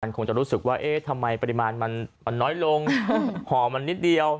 คงจะรู้สึกว่าเอ๊ะทำไมปริมาณมันน้อยลงห่อมันนิดเดียว